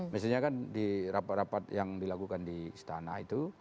misalnya kan di rapat rapat yang dilakukan di istana itu